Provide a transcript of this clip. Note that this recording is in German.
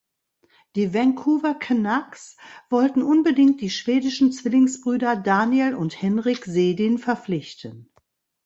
Die Vancouver Canucks wollten unbedingt die schwedischen Zwillingsbrüder Daniel und Henrik Sedin verpflichten.